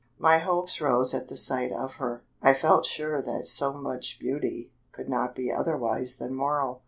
My hopes rose at the sight of her. I felt sure that so much beauty could not be otherwise than moral.